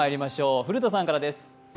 古田さんからです。